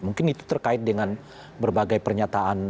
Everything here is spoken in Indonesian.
mungkin itu terkait dengan berbagai pernyataan